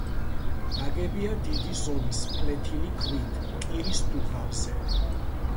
ნაგებია დიდი ზომის ფლეთილი ქვით კირის დუღაბზე.